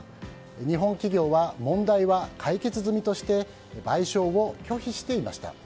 日本企業は問題は解決済みとして賠償を拒否していました。